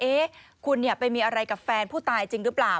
เอ๊ะคุณไปมีอะไรกับแฟนผู้ตายจริงหรือเปล่า